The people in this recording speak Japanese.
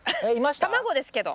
卵ですけど。